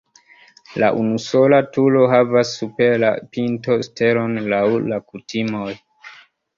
La unusola turo havas super la pinto stelon laŭ la kutimoj.